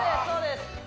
そうです